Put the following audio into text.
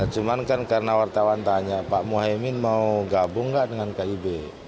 cuman kan karena wartawan tanya pak mohaimin mau gabung gak dengan kib